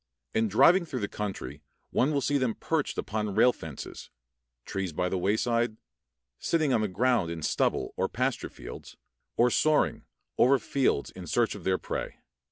In driving through the country one will see them perched upon rail fences, trees by the wayside, sitting on the ground in stubble or pasture fields, or soaring, over fields in search of their prey.